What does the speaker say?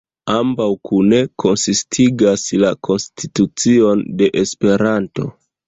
Ambaŭ kune konsistigas la konstitucion de Esperanto.